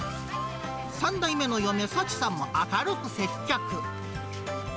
３代目の嫁、さちさんも明るく接客。